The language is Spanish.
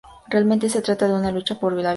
Realmente se trata de una lucha por la vida".